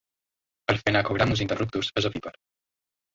El Phenacogrammus interruptus és ovípar.